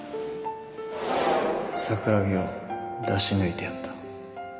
桜木を出し抜いてやった。